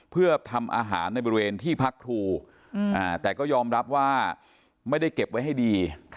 เพื่อทำอาหารในบริเวณที่พักครูแต่ก็ยอมรับว่าไม่ได้เก็บไว้ให้ดี